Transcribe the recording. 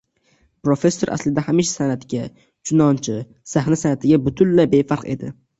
Professor aslida hamisha san`atga, chunonchi, sahna san`atiga butunlay befarq edi